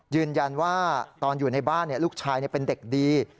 ยืนยันว่าตอนอยู่ในบ้านลูกชายเป็นเด็กดี